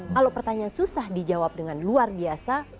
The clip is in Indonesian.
kalau pertanyaan susah dijawab dengan luar biasa